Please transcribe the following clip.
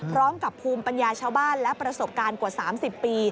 ภูมิปัญญาชาวบ้านและประสบการณ์กว่า๓๐ปี